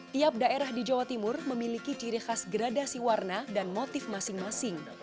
tiap daerah di jawa timur memiliki ciri khas gradasi warna dan motif masing masing